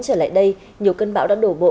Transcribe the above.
trở lại đây nhiều cơn bão đã đổ bộ